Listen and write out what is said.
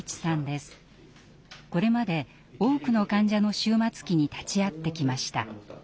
これまで多くの患者の終末期に立ち会ってきました。